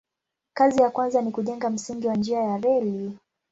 Kazi ya kwanza ni kujenga msingi wa njia ya reli.